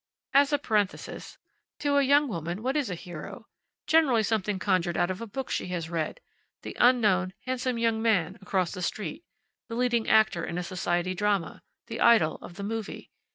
As a parenthesis: To a young woman what is a hero? Generally something conjured out of a book she has read; the unknown, handsome young man across the street; the leading actor in a society drama; the idol of the movie.